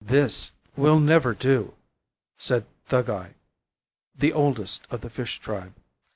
'This will never do,' said Thuggai, the oldest of the fish tribe.